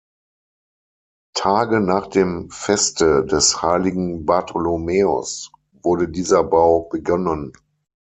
Tage nach dem Feste des heiligen Bartholomäus wurde dieser Bau begonnen".